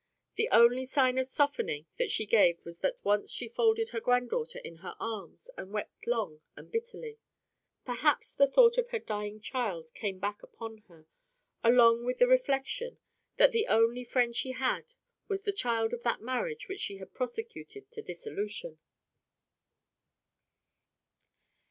The only sign of softening that she gave was that once she folded her granddaughter in her arms and wept long and bitterly. Perhaps the thought of her dying child came back upon her, along with the reflection that the only friend she had was the child of that marriage which she had persecuted to dissolution.